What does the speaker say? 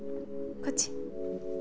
こっち！